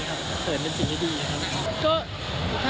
เหมือนว่าเรามิตรไปถ่ายแบบ